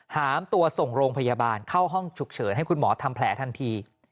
หามตัวส่งโรงพยาบาลเข้าห้องฉุกเฉินให้คุณหมอทำแผลทันที